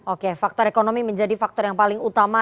oke faktor ekonomi menjadi faktor yang paling utama